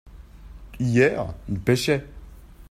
hier il pêchait.